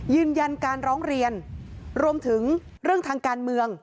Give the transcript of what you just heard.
ยืนยันการร้องเรียนรวมถึงเรื่องทางการเมือง